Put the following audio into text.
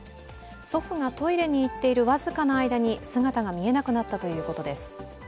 祖父がトイレに行っている僅かな間に姿が見えなくなったということです。